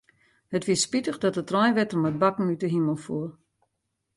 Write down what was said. It wie spitich dat it reinwetter mei bakken út 'e himel foel.